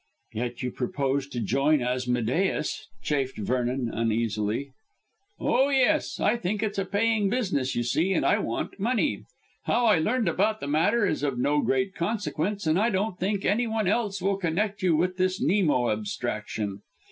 "Yet you propose to join Asmodeus," chafed Vernon uneasily. "Oh yes; I think it's a paying business, you see, and I want money. How I learned about the matter is of no great consequence, and I don't think any one else will connect you with this Nemo abstraction.